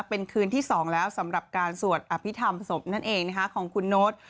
เป็นคืนที่๒แล้วสำหรับการสวดอภิษฐรรมศพนั่นเองของคุณโน๊ต